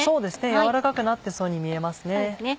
軟らかくなってそうに見えますね。